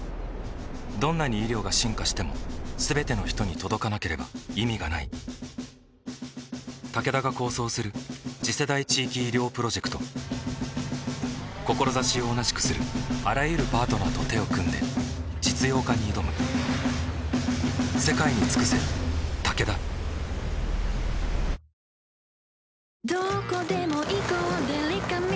どんなに医療が進化しても全ての人に届かなければ意味がないタケダが構想する次世代地域医療プロジェクト志を同じくするあらゆるパートナーと手を組んで実用化に挑む何でそんな顔を。